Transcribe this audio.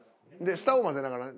下を混ぜながらね。